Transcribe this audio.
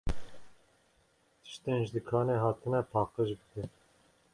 Tiştên ji dikanê hatine paqij bike.